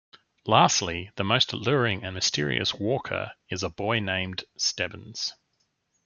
Lastly, the most alluring and mysterious Walker is a boy named Stebbins.